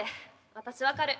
私分かる。